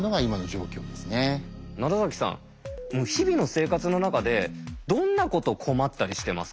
奈良さん日々の生活の中でどんなこと困ったりしてますか？